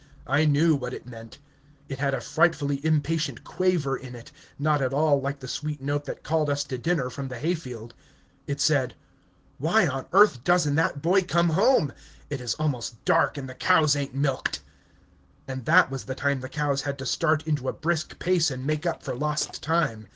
I knew what it meant. It had a frightfully impatient quaver in it, not at all like the sweet note that called us to dinner from the hay field. It said, "Why on earth does n't that boy come home? It is almost dark, and the cows ain't milked!" And that was the time the cows had to start into a brisk pace and make up for lost time.